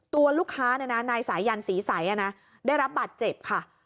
ตัวลูกคะเนี่ยนายสายันศีล์สายอะนะได้รับบัตรเจ็บค่ะ